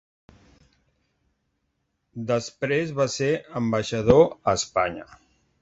Després va ser ambaixador a Espanya.